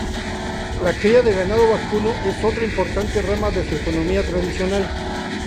La cría de ganado vacuno es otra importante rama de su economía tradicional.